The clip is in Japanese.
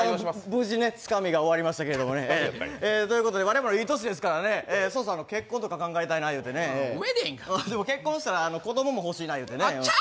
無事、つかみが終わりましたけれども。ということで我々、いい年ですからね、そろそろ結婚とか考えたいってね結婚したら子供欲しいなってね。